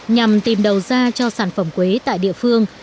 nhằm tìm đầu ra cho sản phẩm quế tại địa phương